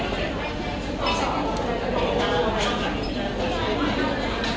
ตัวตรงนี้นะคะ